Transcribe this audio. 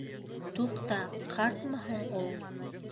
Туҡта, ҡартмы һуң ул?